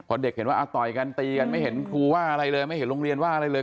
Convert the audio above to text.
พอเด็กเห็นว่าต่อยกันตีกันไม่เห็นครูว่าอะไรเลยไม่เห็นโรงเรียนว่าอะไรเลย